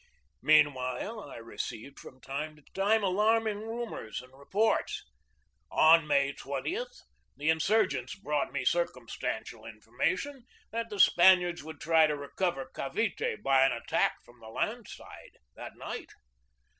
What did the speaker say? Meanwhile, I received from time to time alarm ing rumors and reports. On May 20 the insurgents brought me circumstantial information that the Span iards would try to recover Cavite by an attack from the land side that night.